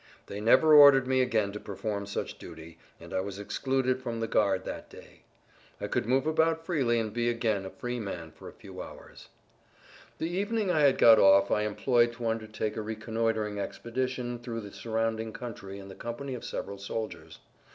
They never ordered me again to perform such duty, and I was excluded from the guard that day. I could move about freely and be again a free man for a few hours. The evening I had got off I employed to undertake a reconnoitering expedition through the surrounding country in the company of several soldiers.